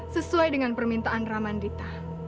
sesuai dengan permintaan ramandita